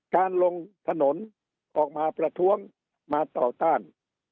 การลงถนนออกมาประท้วงมาต่อต้าน